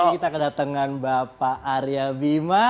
kita kedatangan bapak arya bima